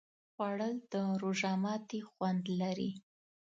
خوړل د روژه ماتي خوند لري